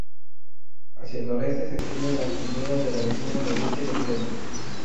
Hacia el noroeste se extienden las llanuras de la vecina Provincia de Pleven.